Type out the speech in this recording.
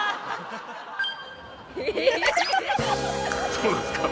そうなんですか？